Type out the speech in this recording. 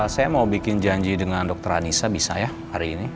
saya mau bikin janji dengan dokter anissa bisa ya hari ini